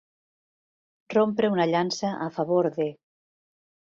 Rompre una llança a favor de.